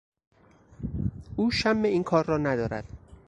او شم این کار را ندارد.